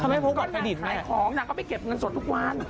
ทำให้พบกับเครดิตแน่ะก็นางขายของนางก็ไปเก็บเงินสดทุกวัน